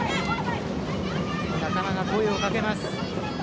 仲間が声をかけます。